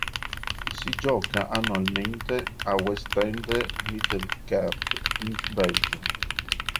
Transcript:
Si gioca annualmente a Westende-Middelkerke in Belgio.